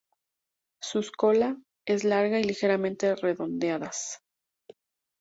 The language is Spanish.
Sus cola es larga y ligeramente redondeadas.